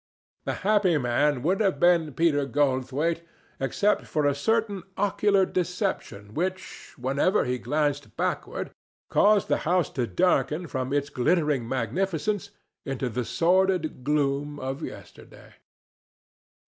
A happy man would have been Peter Goldthwaite except for a certain ocular deception which, whenever he glanced backward, caused the house to darken from its glittering magnificence into the sordid gloom of yesterday.